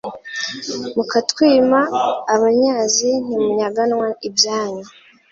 Mukatwima abanyazi Ntimunyaganwa ibyanyu